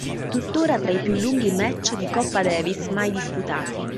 Tuttora tra i più lunghi match di Coppa Davis mai disputati.